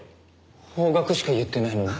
方角しか言ってないのに？